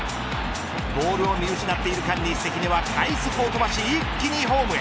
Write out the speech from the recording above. ボールを見失っている間に関根は快足を飛ばし一気にホームへ。